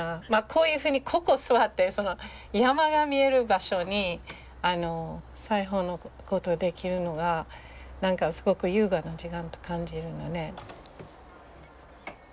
こういうふうにここに座って山が見える場所に裁縫の事できるのが何かすごく優雅な時間と感じるのね。